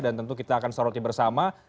dan tentu kita akan sorotnya bersama